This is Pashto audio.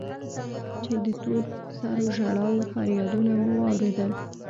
چې د تور سرو ژړا و فريادونه مو واورېدل.